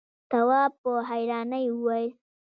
تواب په حيرانۍ وويل: